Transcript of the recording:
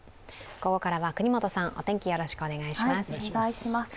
ここからは國本さん、お天気よろしくお願いします。